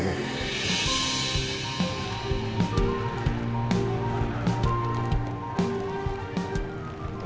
aku ingin tahu